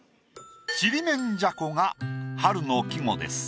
「ちりめんじゃこ」が春の季語です。